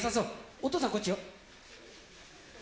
お父さんこっちよ。